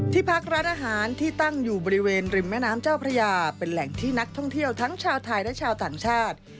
พักร้านอาหารที่ตั้งอยู่บริเวณริมแม่น้ำเจ้าพระยาเป็นแหล่งที่นักท่องเที่ยวทั้งชาวไทยและชาวต่างชาติ